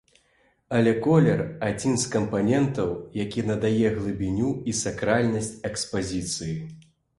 Але колер, адзін з кампанентаў, які надае глыбіню і сакральнасць экспазіцыі.